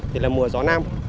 thì là mùa gió nam